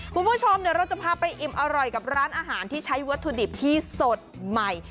คุณผู้ชมเดี๋ยวเราจะพาไปอิ่มอร่อยกับร้านอาหารที่ใช้วัตถุดิบที่สดใหม่